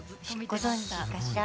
ご存じかしら？